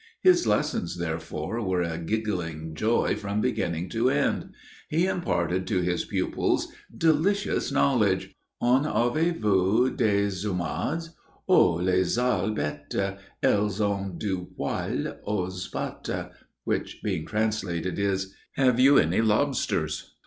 His lessons therefore were a giggling joy from beginning to end. He imparted to his pupils delicious knowledge. En avez vous des z homards? Oh, les sales bêtes, elles ont du poil aux pattes, which, being translated, is: "Have you any lobsters?